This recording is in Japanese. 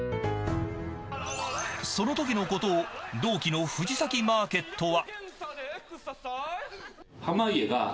そのときのことを同期の藤崎マーケットは。